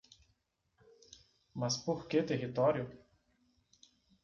Mas por que território?